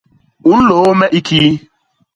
U nlôô me i kii?